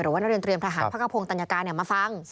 หรือว่านักเรียนเตรียมทหารพระกังพงษ์ตัญกามาฟัง